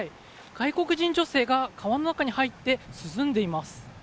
外国人女性が川の中に入って涼んでいます。